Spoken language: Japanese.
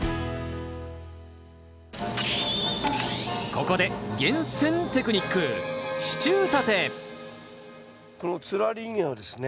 ここで厳選テクニックこのつるありインゲンはですね